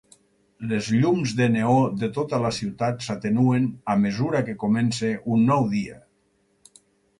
Les llums de neó de tota la ciutat s'atenuen a mesura que comença un nou dia.